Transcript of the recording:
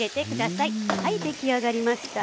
はい出来上がりました。